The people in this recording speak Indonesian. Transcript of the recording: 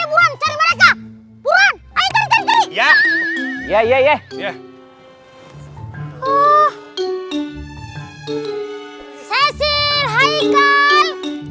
william bukan koto di hutan afinzwil